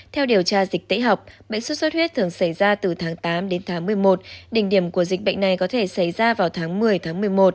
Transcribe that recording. theo điều tra dịch tễ học bệnh xuất xuất huyết thường xảy ra từ tháng tám đến tháng một mươi một đỉnh điểm của dịch bệnh này có thể xảy ra vào tháng một mươi tháng một mươi một